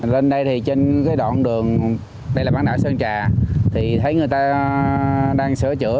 lên đây thì trên cái đoạn đường đây là bán đảo sơn trà thì thấy người ta đang sửa chữa